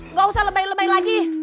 nggak usah lebay lebay lagi